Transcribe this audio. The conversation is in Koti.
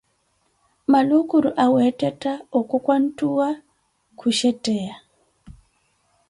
maluukuro aweettetta okwakwanttuwa ku shetteya.